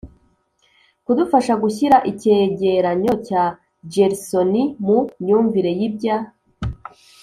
kudufasha gushyira icyegeranyo cya gersony mu myumvire y'ibya